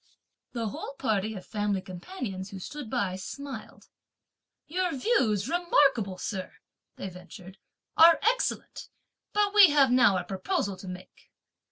The whole party of family companions, who stood by, smiled. "Your views, remarkable sir," they ventured, "are excellent; but we have now a proposal to make.